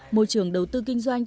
môi trường đầu tư kinh doanh